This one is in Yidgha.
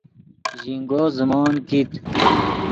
ژینگو زیموت کیت